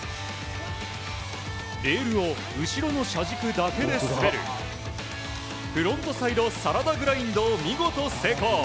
レールを後ろの車軸だけで滑るフロントサイドサラダグラインドを見事成功。